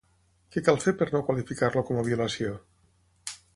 Què cal fer per no qualificar-lo com a violació?